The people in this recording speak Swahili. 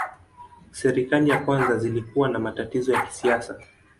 Serikali za kwanza zilikuwa na matatizo ya kisiasa.